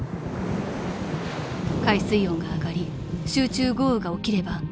［海水温が上がり集中豪雨が起きれば洪水が］